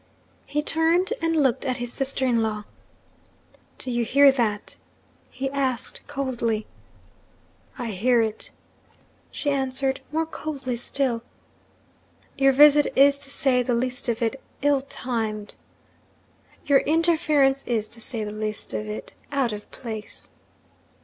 He turned and looked at his sister in law. 'Do you hear that?' he asked coldly. 'I hear it,' she answered, more coldly still. 'Your visit is, to say the least of it, ill timed.' 'Your interference is, to say the least of it, out of place.'